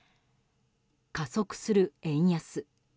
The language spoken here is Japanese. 加速する円安。